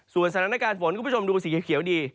สถานการณ์ฝนคุณผู้ชมดูสีเขียวดี